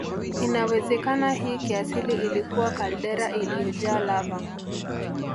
Inawezekana hii kiasili ilikuwa kaldera iliyojaa lava